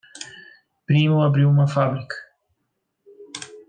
Primo abriu uma fábrica